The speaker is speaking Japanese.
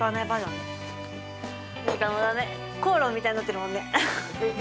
でもだめ、口論みたいになってるもんね。